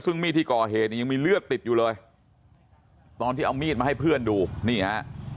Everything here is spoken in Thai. ซึ่งมีดที่ก่อเหตุเนี่ยยังมีเลือดติดอยู่เลยตอนที่เอามีดมาให้เพื่อนดูนี่ฮะ